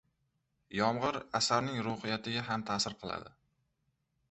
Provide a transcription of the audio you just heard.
Yomg‘ir asarning ruhiyatiga ham ta’sir qiladi.